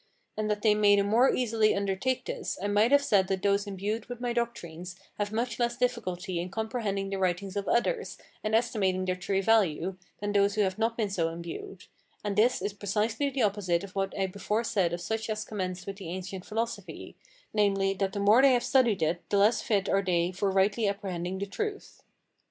And that they may the more easily undertake this, I might have said that those imbued with my doctrines have much less difficulty in comprehending the writings of others, and estimating their true value, than those who have not been so imbued; and this is precisely the opposite of what I before said of such as commenced with the ancient philosophy, namely, that the more they have studied it the less fit are they for rightly apprehending the truth.